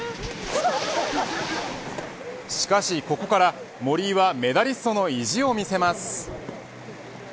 しかしここから森井はメダリストの意地を見せます。